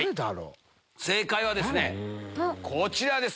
正解はですねこちらです。